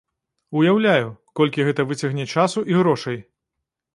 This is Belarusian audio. Уяўляю, колькі гэта выцягне часу і грошай.